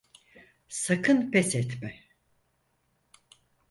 Sakın pes etme.